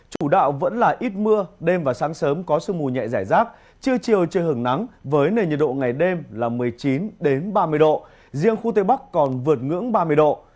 chủ đạo vẫn là ít mưa đêm và sáng sớm có sương mù nhẹ giải rác trưa chiều trời hưởng nắng với nền nhiệt độ ngày đêm là một mươi chín ba mươi độ riêng khu tây bắc còn vượt ngưỡng ba mươi độ